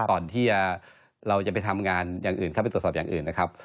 ก่อนที่เราจะไปทำงานอย่างอื่นเข้าไปตรวจสอบอย่างอื่นนะครับ